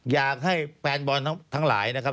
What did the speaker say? อยากให้แฟนบอลทั้งหลายนะครับ